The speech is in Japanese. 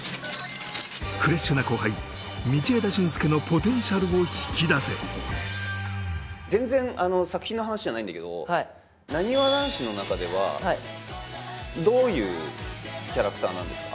フレッシュな後輩道枝駿佑のポテンシャルを引き出せ全然作品の話じゃないんだけどなにわ男子の中ではどういうキャラクターなんですか？